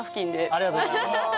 ありがとうございます。